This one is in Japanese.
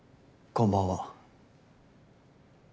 こんばんは。